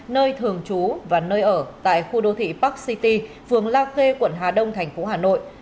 nơi thường trú và nơi ở tại khu đô thị park city phường la khê quận hà đông thành phố hà nội